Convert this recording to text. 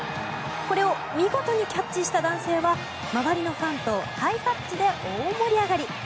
これを見事にキャッチした男性は周りのファンとハイタッチで大盛り上がり。